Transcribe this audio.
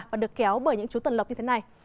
và được kéo bởi những chú tuần lọc như thế này